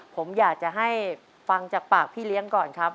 ผมอยากจะให้ฟังจากปากพี่เลี้ยงก่อนครับ